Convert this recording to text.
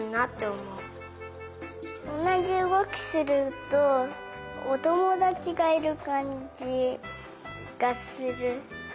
おなじうごきするとおともだちがいるかんじがする。